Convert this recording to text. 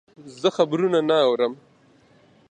ښه خبرونه نه اورم.